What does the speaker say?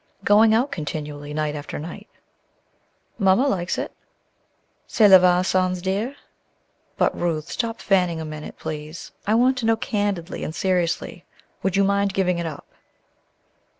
"Going out continually night after night." "Mamma likes it." "Cela va sans dire. But, Ruth, stop fanning a minute, please, I want to know, candidly and seriously, would you mind giving it up?"